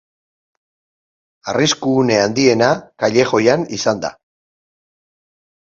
Arrisku une handiena kailejoian izan da.